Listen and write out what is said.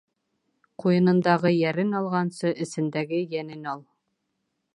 Ҡуйынындағы йәрен алғансы, эсендәге йәнен ал.